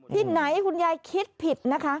ที่ไหนคุณยายคิดผิดนะคะ